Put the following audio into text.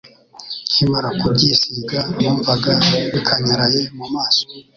Nkimara kubyisiga numvaga bikanyaraye mu maso.